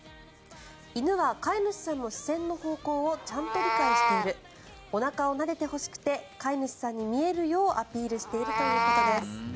犬は飼い主さんの視線の方向をちゃんと理解しているおなかをなでてほしくて飼い主さんに見えるようアピールしているということです。